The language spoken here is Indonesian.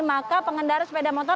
maka pengendara sepeda motor